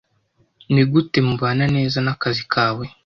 Nigute mubana neza nakazi kawe?